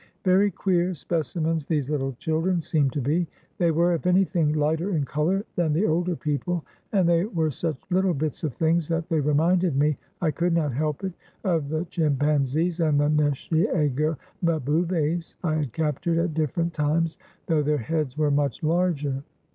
Very queer specimens these little children seemed to be. They were, if anything, fighter in color than the older people, and they were such fittle bits of things that they reminded me — I could not help it — of the chim panzees and nshiego mbouves I had captured at different times, though their heads were much larger.